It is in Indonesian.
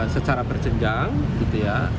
secara berjenjang gitu ya